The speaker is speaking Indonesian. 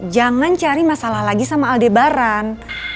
jangan cari masalah lagi sama aldebaran